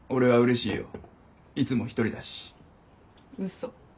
嘘。